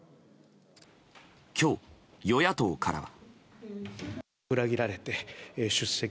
今日、与野党からは。